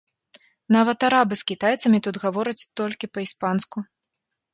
Нават арабы з кітайцамі тут гавораць толькі па-іспанску.